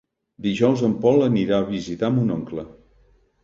Dijous en Pol anirà a visitar mon oncle.